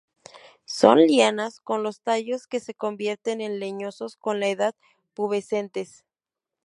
Son lianas, con los tallos que se convierten en leñosos con la edad, pubescentes.